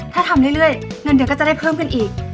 ถ้าทำเรื่อยเงินเดือนก็จะได้เพิ่มขึ้นอีก